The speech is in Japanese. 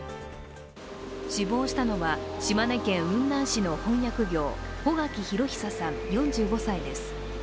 死亡したのは島根県雲南市の翻訳業、穗垣裕久さん４５歳です。